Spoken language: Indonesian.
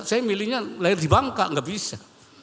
saya milihnya lahir di bangka nggak bisa